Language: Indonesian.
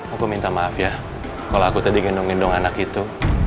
aku minta maaf ya kalau aku tadi gendong gendong anak itu